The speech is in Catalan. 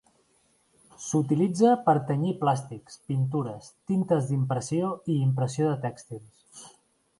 S"utilitza per tenyir plàstics, pintures, tintes d"impressió i impressió de tèxtils.